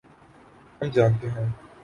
ہم جانتے ہیں۔